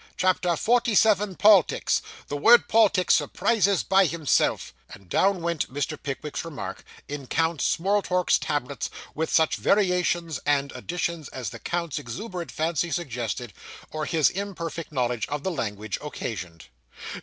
Chapter forty seven. Poltics. The word poltic surprises by himself ' And down went Mr. Pickwick's remark, in Count Smorltork's tablets, with such variations and additions as the count's exuberant fancy suggested, or his imperfect knowledge of the language occasioned.